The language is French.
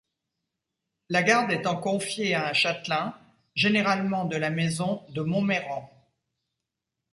La garde étant confiée à un châtelain, généralement de la maison de Montmeyran.